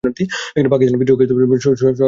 পাকিস্তান বিদ্রোহকে বস্তুগত সহায়তা দিয়েছিল।